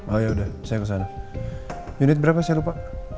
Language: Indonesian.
oh ya udah saya kesana unit berapa saya lupa